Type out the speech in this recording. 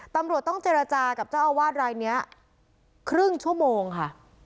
ตำรวจต้องเจรจากับเจ้าอาวาสรายนี้ครึ่งชั่วโมงค่ะ